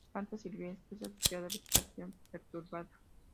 Planta silvestre asociada a vegetación perturbada.